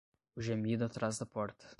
O gemido atrás da porta